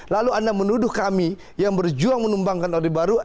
lalu anda menuduh kami yang berjuang menumbangkan orde baru